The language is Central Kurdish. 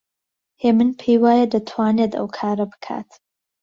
هێمن پێی وایە دەتوانێت ئەو کارە بکات.